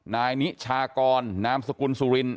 นายนิชากรนามสกุลสุริน